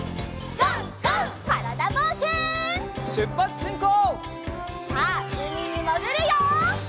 さあうみにもぐるよ！